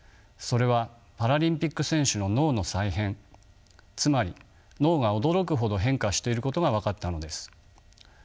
それはパラリンピック選手の「脳の再編」つまり脳が驚くほど変化していることが分かったのです。